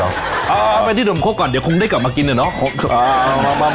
เอาไปที่ดมคกก่อนเดี๋ยวคงได้กลับมากินอะเนาะ